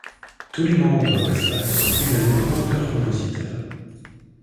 Tous les membres de Westlife sont également auteurs-compositeurs.